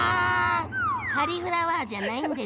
カリフラワーじゃないんですね。